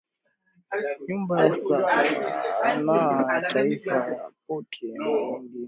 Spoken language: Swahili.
Nyumba ya sanaa ya Taifa ya Portrait na wengine